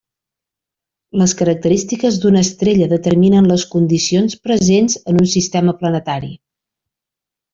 Les característiques d'una estrella determinen les condicions presents en un sistema planetari.